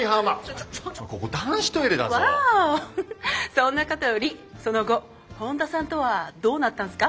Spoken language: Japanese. そんなことよりその後本田さんとはどうなったんすか？